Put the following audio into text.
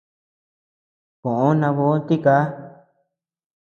Koʼo nabö tika.